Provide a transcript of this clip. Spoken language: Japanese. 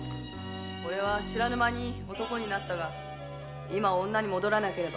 俺は知らぬ間に男になったが今女に戻らなければ家名は継げぬという。